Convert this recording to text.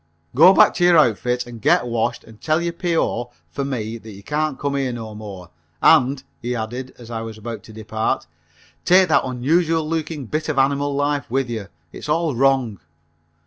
"Go back to your outfit and get washed and tell your P.O. for me that you can't come here no more, and," he added, as I was about to depart, "take that unusual looking bit of animal life with you it's all wrong.